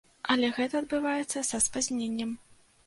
Але гэта адбываецца са спазненнем.